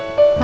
mas duduk ya